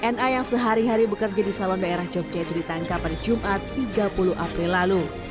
na yang sehari hari bekerja di salon daerah jogja itu ditangkap pada jumat tiga puluh april lalu